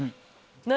何？